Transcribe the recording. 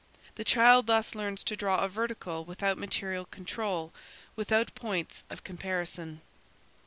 The child thus learns to draw a vertical without material control, without points of comparison.